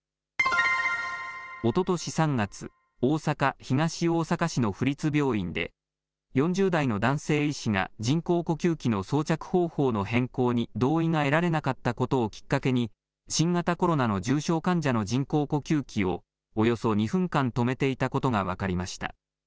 おととし３月、大阪・東大阪市の府立病院で、４０代の男性医師が人工呼吸器の装着方法の変更に同意が得られなかったことをきっかけに、新型コロナの重症患者の人工呼吸器をおよそ２分間止めていたことが分かりました。